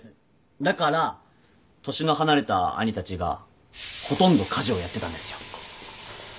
だから年の離れた兄たちがほとんど家事をやってたんですよ。